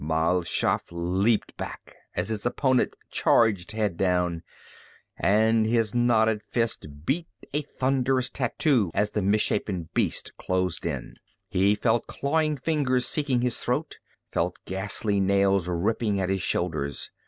Mal Shaff leaped back as his opponent charged head down, and his knotted fist beat a thunderous tattoo as the misshapen beast closed in. He felt clawing fingers seeking his throat, felt ghastly nails ripping at his shoulders.